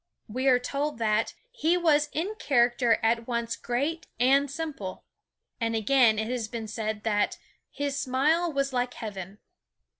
We are told that, "he was in character at once great and simple." And again it has been said that, "his smile was like heaven."